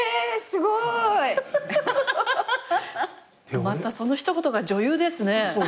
すごい！またその一言が女優ですね。